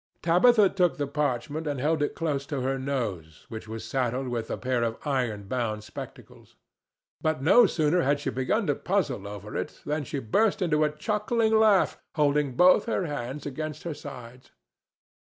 Tabitha took the parchment and held it close to her nose, which was saddled with a pair of iron bound spectacles. But no sooner had she begun to puzzle over it than she burst into a chuckling laugh, holding both her hands against her sides.